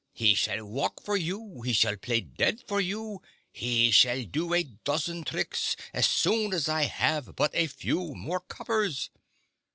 He shall walk for you, he shall play dead for you, he shall do a dozen tricks so soon as I have but a few more coppers